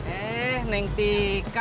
eh neng tika